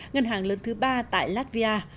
ngân hàng lớn thứ ba tại latvia